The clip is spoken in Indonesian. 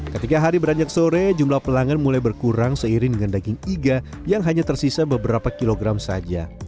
ketika hari beranjak sore jumlah pelanggan mulai berkurang seiring dengan daging iga yang hanya tersisa beberapa kilogram saja